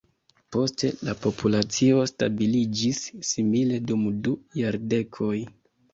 Poste la populacio stabiliĝis simile dum du jardekoj.